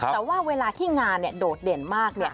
แต่ว่าเวลาที่งานโดดเด่นมาก